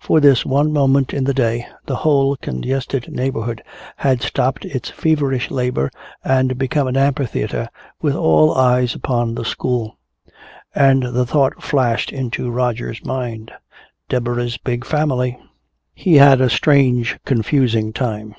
For this one moment in the day the whole congested neighborhood had stopped its feverish labor and become an amphitheater with all eyes upon the school. And the thought flashed into Roger's mind: "Deborah's big family!" He had a strange confusing time.